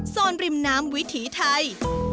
ริมน้ำวิถีไทย